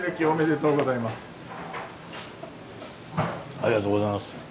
ありがとうございます。